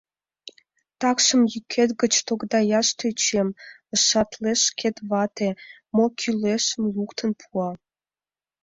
— Такшым йӱкет гыч тогдаяш тӧчем, — ышталеш шкет вате, мо кӱлешым луктын пуа.